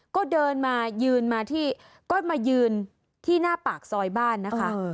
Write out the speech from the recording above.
ก็เดินมายืนมาที่ก็มายืนที่หน้าปากซอยบ้านนะคะ